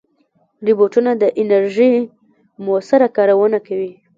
روبوټونه د انرژۍ مؤثره کارونه کوي.